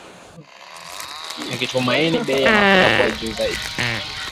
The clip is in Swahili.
Wakitumaini bei ya mafuta kuwa juu zaidi.